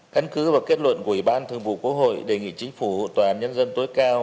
cấn cứ và kết luận của ủy ban thường vụ quốc hội đề nghị chính phủ hộ toàn nhân dân tối cao